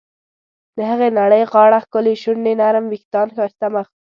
د هغې نرۍ غاړه، ښکلې شونډې ، نرم ویښتان، ښایسته مخ..